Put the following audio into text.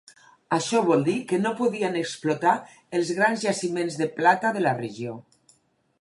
Això vol dir que no podien explotar els grans jaciments de plata de la regió.